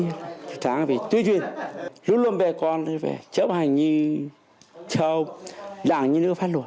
lúc luôn về con chấp hành như châu đảng như nước phát luật